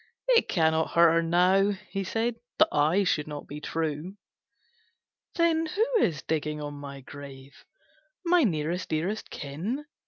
'It cannot hurt her now,' he said, 'That I should not be true.'" "Then who is digging on my grave, My nearest dearest kin?"